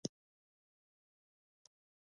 د کندهار په خاکریز کې د سمنټو مواد شته.